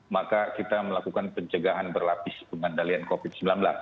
maka kita melakukan pencegahan berlapis pengendalian covid sembilan belas